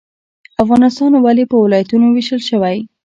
افغانستان ولې په ولایتونو ویشل شوی؟